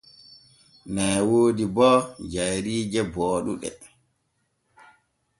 Nee woodi bo jayriije booɗuɗe.